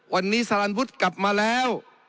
วันนี้สรรพุทธกลับมาแล้ว